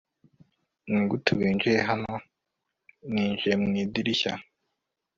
nigute winjiye hano? ninjiye mu idirishya